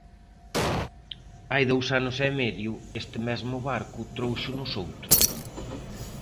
Hai dous anos e medio este mesmo barco tróuxonos outro.